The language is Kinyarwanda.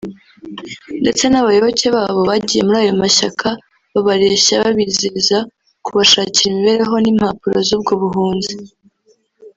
ndetse n’abayoboke babo bagiye muri ayo mashyaka babareshya babizeza kubashakira imibereho n’impapuro z’ubwo buhunzi